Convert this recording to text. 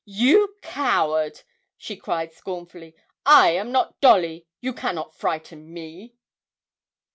'You coward,' she cried scornfully, 'I am not Dolly you cannot frighten me!'